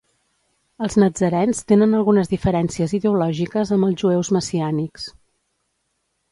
Els natzarens tenen algunes diferències ideològiques amb els jueus messiànics.